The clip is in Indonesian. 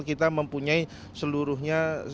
kita mempunyai seluruhnya